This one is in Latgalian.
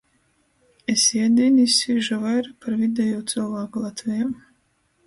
Es iedīni izsvīžu vaira par videjū cylvāku Latvejā.